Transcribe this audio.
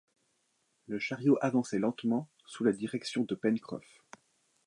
Le chariot avançait lentement, sous la direction de Pencroff.